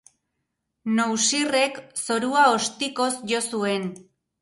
Noussirrek zorua ostikoz jo zuen.